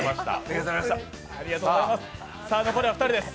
残りは２人です。